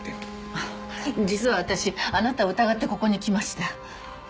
あっ実は私あなたを疑ってここに来ました。